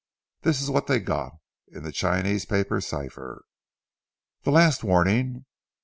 This is what they got. In the Chinese paper cipher: "The last warning.